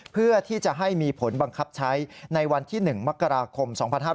เพื่อที่จะให้มีผลบังคับใช้ในวันที่๑มกราคม๒๕๕๙